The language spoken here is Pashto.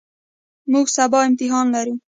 موږ سبا امتحان لرو.